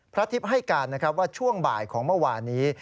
ทิพย์ให้การนะครับว่าช่วงบ่ายของเมื่อวานนี้